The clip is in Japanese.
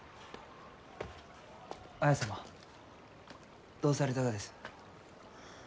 綾様どうされたがです？